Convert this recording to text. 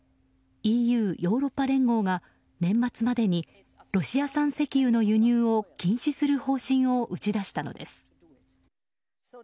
ＥＵ・ヨーロッパ連合が年末までにロシア産石油の輸入を禁止する方針を打ち出したのです。